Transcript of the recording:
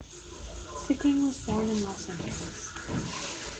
Sikking was born in Los Angeles.